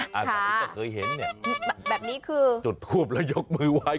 ค่ะแบบนี้จะเคยเห็นเนี่ยจดทวบแล้วยกมือวาย